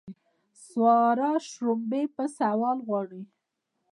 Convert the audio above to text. سارا شړومبې په سوال غواړي.